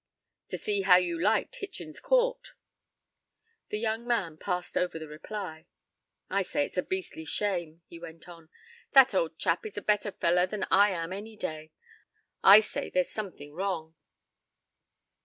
"To see how you liked Hitchen's Court." The young man passed over the reply. "I say it's a beastly shame," he went on. "That old chap is a better fellow than I am any day, I say, there's something wrong."